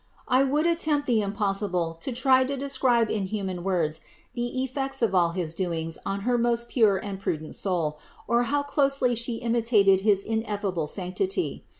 I 39 598 CITY OF GOD would attempt the impossible to try to describe in human words the effects of all his doings on her most pure and prudent soul, or how closely She imitated his ineffable sanctity.